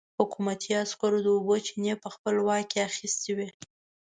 حکومتي عسکرو د اوبو چينې په خپل واک کې اخيستې وې.